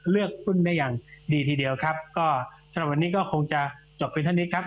เลือกหุ้นได้อย่างดีทีเดียวครับก็สำหรับวันนี้ก็คงจะจบเป็นเท่านี้ครับ